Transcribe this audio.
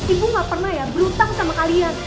ibu nggak pernah ya berutang sama kalian